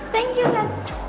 thank you sam